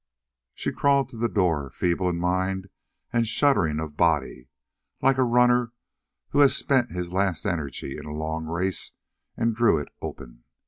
She crawled to the door, feeble in mind and shuddering of body like a runner who has spent his last energy in a long race, and drew it open.